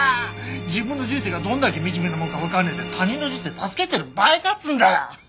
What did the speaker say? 自分の人生がどんだけ惨めなもんかわかんねえで他人の人生助けてる場合かっつうんだよ！